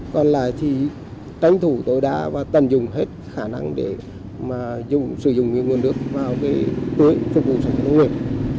còn lại thì tránh thủ tối đa và tận dụng hết khả năng để mà dùng sử dụng những nguồn nước vào cái tuổi phục vụ sản phẩm nông nghiệp